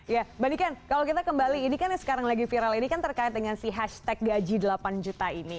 ya mbak niken kalau kita kembali ini kan yang sekarang lagi viral ini kan terkait dengan si hashtag gaji delapan juta ini